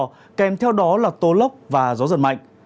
mưa to kèm theo đó là tố lốc và gió giật mạnh